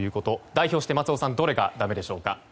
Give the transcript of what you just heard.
代表して、松尾さんどれがだめでしょうか。